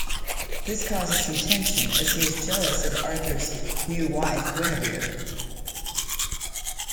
This causes some tension, as he is jealous of Arthur's new wife Guinevere.